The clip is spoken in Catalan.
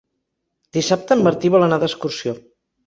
Dissabte en Martí vol anar d'excursió.